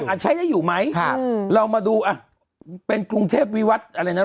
น่าใช้ได้อยู่มั้ยเรามาดูคุณเทพวิวัฒน์อะไรนะ